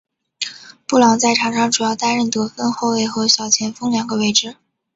布朗在场上主要担任得分后卫和小前锋两个位置。